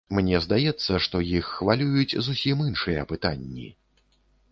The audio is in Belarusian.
Мне здаецца, што іх хвалююць зусім іншыя пытанні.